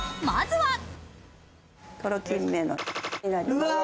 まずは。